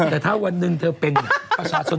แต่ถ้าวันหนึ่งเธอเป็นประชาชน